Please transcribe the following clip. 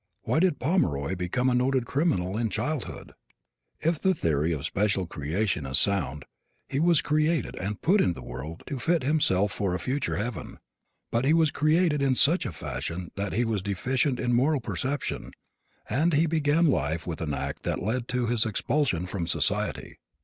Why did Pomeroy become a noted criminal in childhood? If the theory of special creation is sound he was created and put in the world to fit himself for a future heaven. But he was created in such fashion that he was deficient in moral perception and he began life with an act that led to his expulsion from society.